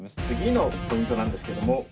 次のポイントなんですけども。